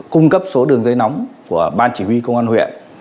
cung cấp số đường dây nóng của ban chỉ huy công an huyện